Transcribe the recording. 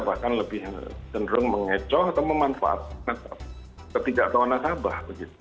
bahkan lebih cenderung mengecoh atau memanfaatkan ketiga tahun nasabah